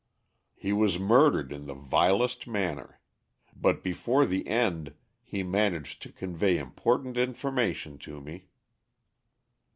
"He was murdered in the vilest manner. But before the end, he managed to convey important information to me."